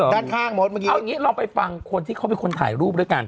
บทที่ด้านข้างเมื่อกี้เอางี้ลองไปฟังเขาเป็นคนถ่ายรูปด้วยกัน